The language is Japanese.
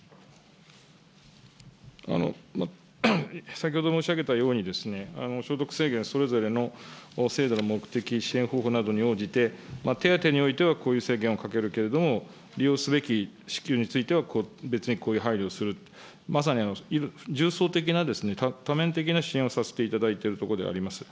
先ほど申し上げたようにですね、所得制限、それぞれの制度の目的、支援方法などに応じて、手当においてはこういう制限をかけるけれども、利用すべき支給については、別に配慮をする、まさに重層的な、多面的な支援をさせていただいているところであります。